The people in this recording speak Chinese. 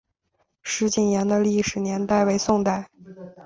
石井岩的历史年代为宋代。